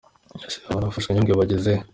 Ese babantu bafashe Nyungwe bageze he?